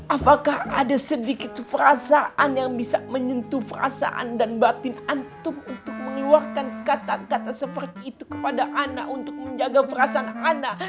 apakah ada sedikit perasaan yang bisa menyentuh perasaan dan batin antum untuk mengeluarkan kata kata seperti itu kepada anak untuk menjaga perasaan anak